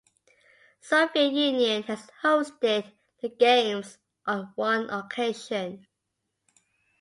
Soviet Union has hosted the Games on one occasion.